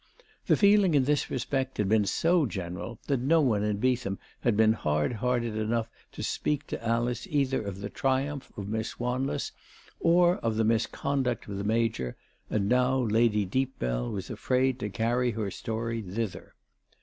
The feeling in this respect had been so general that no one in Beetham had been hard hearted enough to speak to Alice either of the triumph of Miss Wanless, or of the misconduct of the Major ; and now Lady Deepbell was afraid to carry her story thither.